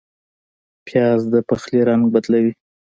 پیاز د پخلي رنګ بدلوي